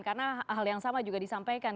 karena hal yang sama juga disampaikan